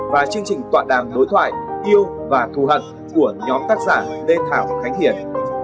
và chương trình tọa đàm đối thoại yêu và thù hận của nhóm tác giả lê thảo khánh hiền